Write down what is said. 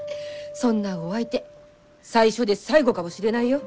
そんなお相手最初で最後かもしれないよ。